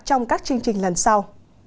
hẹn gặp lại các chương trình lần sau